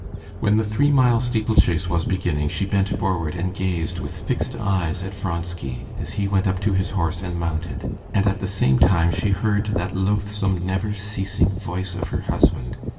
When the three mile steeplechase was beginning, she bent forward and gazed with fixed eyes at Vronsky as he went up to his horse and mounted, and at the same time she heard that loathsome, never ceasing voice of her husband.